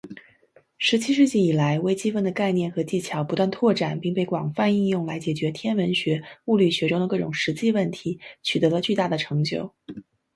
十七世纪以来，微积分的概念和技巧不断扩展并被广泛应用来解决天文学、物理学中的各种实际问题，取得了巨大的成就。